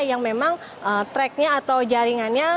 yang memang tracknya atau jaringannya